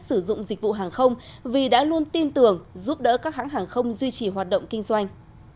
sử dụng dịch vụ hàng không vì đã luôn tin tưởng giúp đỡ các hãng hàng không duy trì hoạt động kinh doanh